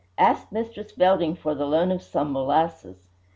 Ask Mistress Belding for the loan of some molasses.